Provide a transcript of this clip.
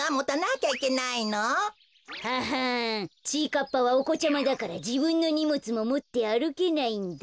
かっぱはおこちゃまだからじぶんのにもつももってあるけないんだ。